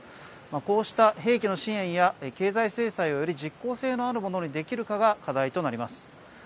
こうした兵器の支援や経済制裁をより実効性のあるものにできるかが課題となります。